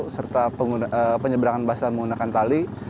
serta penyeberangan basah menggunakan tali